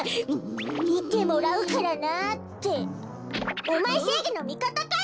「みてもらうからな」っておまえせいぎのみかたかよ！